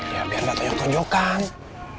ya biar batu nyok nyokan